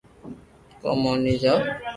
ڪو موني جاوُ